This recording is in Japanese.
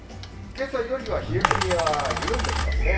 けさよりは冷え込みは緩んできますね。